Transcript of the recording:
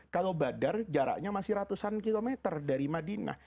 kalau badar jaraknya masih ratusan kilometer dari madinah